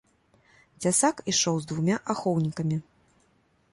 Цясак ішоў з двума ахоўнікамі.